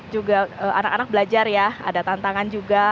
juga anak anak belajar ya ada tantangan juga